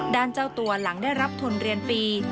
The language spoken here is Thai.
ด้านเจ้าตัวหลังได้รับทุนเรียนฟรี